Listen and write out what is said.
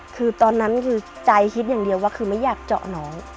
คือตอนนั้นคือใจคิดอย่างเดียวว่าคือไม่อยากเจาะน้อง